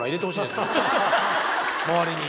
周りに。